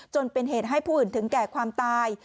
จนเป็นเหตุให้ผู้อื่นถึงแก่ความตาย